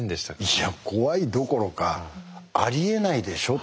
いや怖いどころかありえないでしょと思ってました。